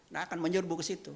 nah akan menyerbu ke situ